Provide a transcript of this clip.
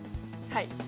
はい。